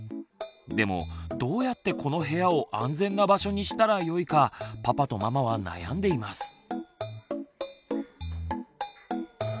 でもどうやってこの部屋を安全な場所にしたらよいかパパとママは悩んでいます。